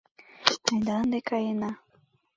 Айда ынде каена...